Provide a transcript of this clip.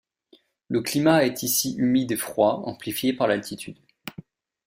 Le climat est ici humide et froid, amplifié par l'altitude.